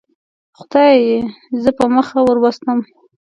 خدای زه په مخه وروستم.